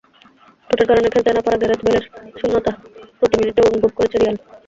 চোটের কারণে খেলতে না-পারা গ্যারেথ বেলের শূন্যতা প্রতি মিনিটে অনুভব করেছে রিয়াল।